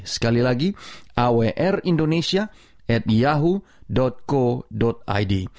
sekali lagi awrindonesia at yahoo co id